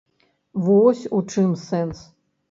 Вось у чым сэнс.